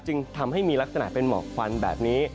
จึงทำให้มีลักษณะเป็นหมอกควันแบบนี้